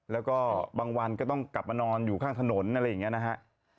แล้วก็บางวันก็ต้องกลับมานอนอยู่ข้างถนนอะไรอย่างนี้นะฮะ